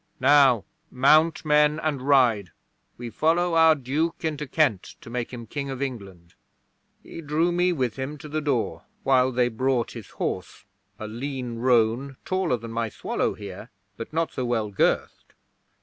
Now, mount, men, and ride. We follow our Duke into Kent to make him King of England." 'He drew me with him to the door while they brought his horse a lean roan, taller than my Swallow here, but not so well girthed.